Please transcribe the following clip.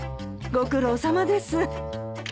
ご苦労さまです。